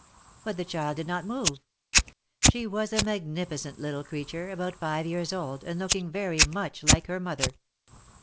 But the child did not move. She was a magnificent little creature, about five years old, and looking very much like her mother.